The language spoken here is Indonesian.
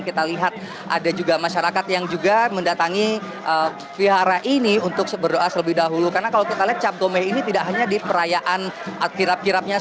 kita tahu bahwa sekarang raya cap gome ini sudah menjadi perayaan untuk semuanya